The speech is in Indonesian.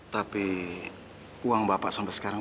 tapi uang bapak sampai sekarang